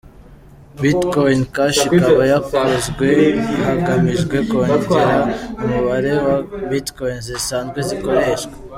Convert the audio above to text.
Bitcoin Cash ikaba yakozwe hagamijwe kongera umubare wa Bitcoins zisanzwe zikoreshwa.